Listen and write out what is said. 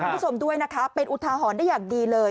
คุณผู้ชมด้วยนะคะเป็นอุทาหรณ์ได้อย่างดีเลย